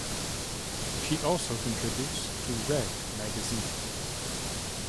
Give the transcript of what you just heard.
She also contributes to Red Magazine.